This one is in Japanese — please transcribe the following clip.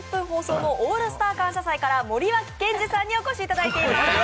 放送の「オールスター感謝祭」から森脇健児さんにお越しいただいています。